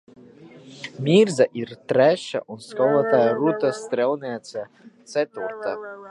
Mirdza ir trešā un skolotāja Ruta Strēlniece ceturtā.